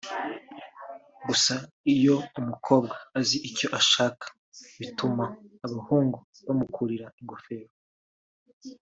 Gusa iyo umukobwa azi icyo ashaka bituma abahungu bamukurira ingofero